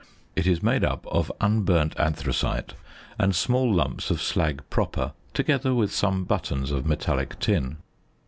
It is made up of unburnt anthracite and small lumps of slag proper together with some buttons of metallic tin.